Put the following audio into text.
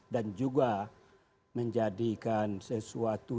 dan juga menjadikan sesuatu